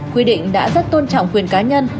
quy định đã rất tôn trọng quyền cá nhân